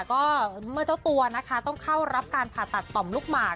ก็เมื่อเจ้าตัวนะคะต้องเข้ารับการผ่าตัดต่อมลูกหมาก